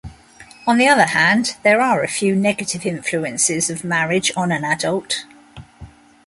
On the other hand, there a few negative influences of marriage on an adult.